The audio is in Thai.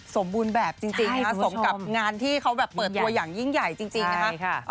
สมบูรณ์แบบจริงค่ะสมกับงานที่เขาแบบเปิดตัวอย่างยิ่งใหญ่จริงนะคะ